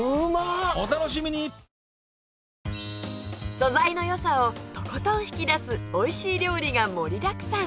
素材の良さをとことん引き出すおいしい料理が盛りだくさん